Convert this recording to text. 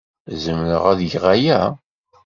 Zemreɣ ad geɣ aya?